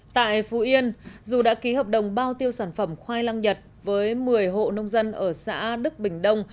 tại phú yên dù đã ký hợp đồng bao tiêu sản phẩm khoai lang nhật với một mươi hộ nông dân ở xã đức bình đông